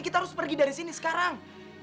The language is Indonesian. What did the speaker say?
kita harus pergi dari sini sekarang